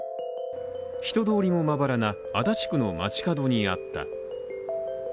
人通りもまばらな足立区の街角にあった。